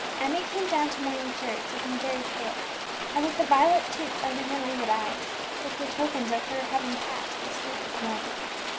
Emmie came down to morning prayers looking very pale, and with the violet tints under her languid eyes, which were tokens of her having passed a sleepless night.